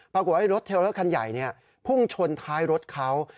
ปรากฏว่ารถเทลเลอร์คันใหญ่พุ่งชนท้ายรถเขา